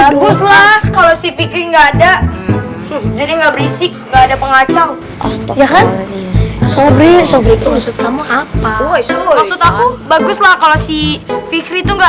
jadi nggak berisik nggak ada pengacau ya kan maksud aku baguslah kalau si fikri tuh nggak